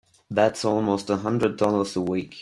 That's almost a hundred dollars a week!